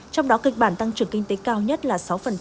trong đó kịch bản tăng trưởng kinh tế cao nhất là sáu